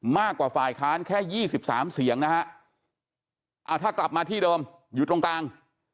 มากกว่าฝ่ายค้านแค่๒๓เสียงนะฮะถ้ากลับมาที่เดิมอยู่ตรงกลาง